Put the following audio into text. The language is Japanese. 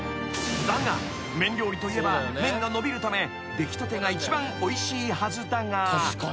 ［だが麺料理といえば麺が伸びるためできたてが一番おいしいはずだが］